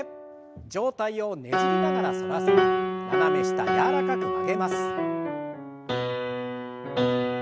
上体をねじりながら反らせて斜め下柔らかく曲げます。